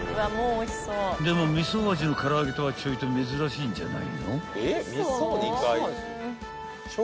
［でも味噌味の空上げとはちょいと珍しいんじゃないの？］